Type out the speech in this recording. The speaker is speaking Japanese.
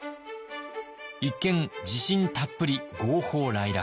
一見自信たっぷり豪放磊落。